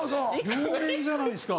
両面じゃないですか。